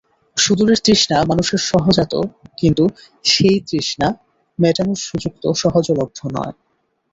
সুদূরের তৃষ্ণা মানুষের সহজাত কিন্তু সেই তৃষ্ণা মেটানোর সুযোগ তো সহজলভ্য নয়।